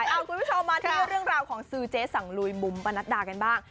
เอาคุณผู้ชมมาที่เรื่องราวของซื้อเจ๊สังลุยบุ๋มปะนัดดากันบ้าง